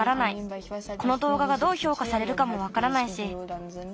このどうががどうひょうかされるかもわからないし。